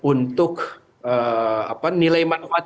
untuk nilai manfaat